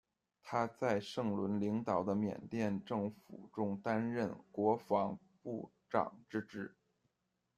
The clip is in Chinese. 他在盛伦领导的缅甸政府中担任国防部长之职。